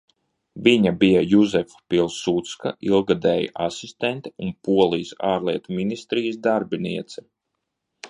Viņa bija Juzefa Pilsudska ilggadēja asistente un Polijas Ārlietu ministrijas darbiniece.